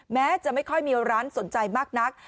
แม้จะไม่ค่อยมีร้านสนใจมากนัก